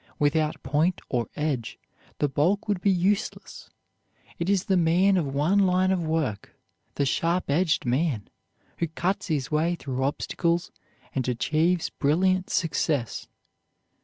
Without point or edge the bulk would be useless. It is the man of one line of work, the sharp edged man, who cuts his way through obstacles and achieves brilliant success.